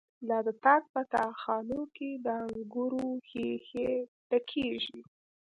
لا د تاک په تا خانو کی، د انگور ښیښی ډکیږی